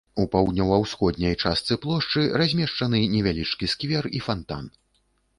У паўднёва-ўсходняй частцы плошчы размешчаны невялічкі сквер і фантан.